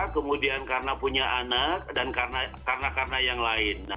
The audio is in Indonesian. kemudian karena punya anak dan karena karena yang lain